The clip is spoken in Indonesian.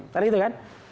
karena itu kan